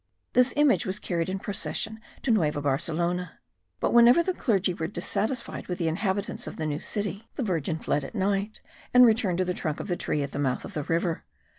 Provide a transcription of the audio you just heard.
This image was carried in procession to Nueva Barcelona; but whenever the clergy were dissatisfied with the inhabitants of the new city, the Virgin fled at night, and returned to the trunk of the tree at the mouth of the river.